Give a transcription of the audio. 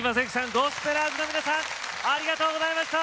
ゴスペラーズの皆さんありがとうございました！